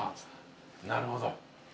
なるほど。